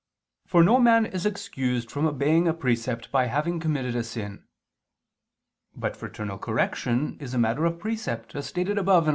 For no man is excused from obeying a precept by having committed a sin. But fraternal correction is a matter of precept, as stated above (A. 2).